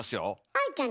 愛ちゃん